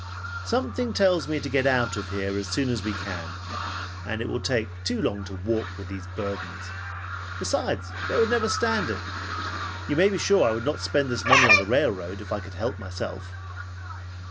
Something tells me to get out of here as soon as we can and it will take too long to walk with these burdens. Besides, they would never stand it. You may be sure I would not spend this money on the railroad if I could help myself."